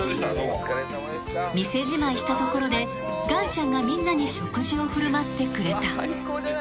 ［店じまいしたところでがんちゃんがみんなに食事を振る舞ってくれた］